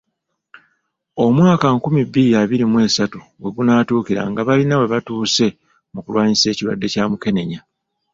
Omwaka nkumi bbiri abiri mw'essatu we gunaatuukira nga balina we batuuse mu kulwanyisa ekirwadde kya Mukenenya.